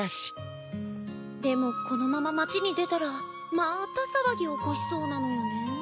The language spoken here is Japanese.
でもこのまま町に出たらまーた騒ぎ起こしそうなのよねぇ。